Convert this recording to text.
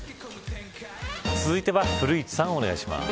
続いては古市さんお願いします。